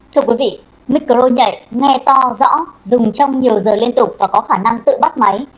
thưa quý vị micro nhảy nghe to rõ dùng trong nhiều giờ liên tục và có khả năng tự bắt máy